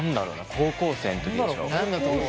高校生の時でしょ。